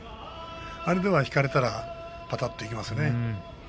あれでは引かれたらぱたっといきますね。